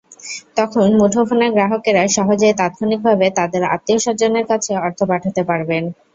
তখন মুঠোফোনের গ্রাহকেরা সহজেই তাৎক্ষণিকভাবে তাঁদের আত্মীয়স্বজনের কাছে অর্থ পাঠাতে পারবেন।